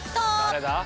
誰だ？